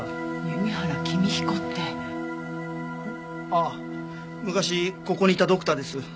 あっ昔ここにいたドクターです。